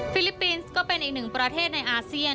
ลิปปินส์ก็เป็นอีกหนึ่งประเทศในอาเซียน